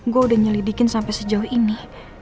gue udah nyelidikin sampai sejauh ini